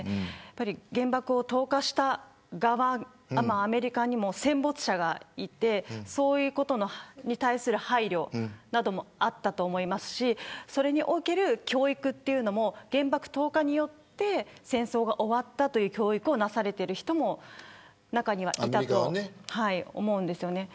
原爆を投下した側、アメリカにも戦没者がいてそういうことに対する配慮などもあったと思いますしそれにおける教育というのも原爆投下によって戦争が終わったという教育をなされている人も中には、いたと思うんです。